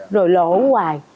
rồi lỗ hoài